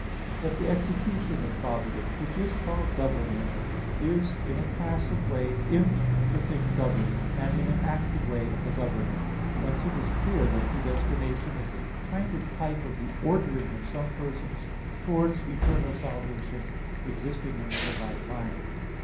22, A. 1). But the execution of providence which is called government, is in a passive way in the thing governed, and in an active way in the governor. Whence it is clear that predestination is a kind of type of the ordering of some persons towards eternal salvation, existing in the divine mind.